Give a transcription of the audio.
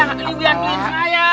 nggak keliubianin saya